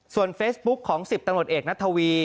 ส่วนเฟซบุ๊คของ๑๐ตำรวจเอกนัทวี